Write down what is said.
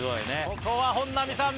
ここは本並さん